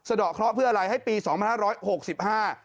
ดอกเคราะห์เพื่ออะไรให้ปีสองพันห้าร้อยหกสิบห้า